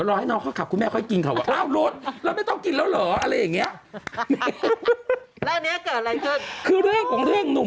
แล้วน้องเขาจะบอกว่าเขาจะต้องไปทำอะไรก่อน